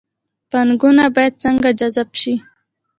پانګونه باید څنګه جذب شي؟